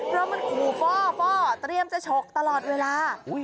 เพราะมันขู่ฟ่อเตรียมจะฉกตลอดเวลา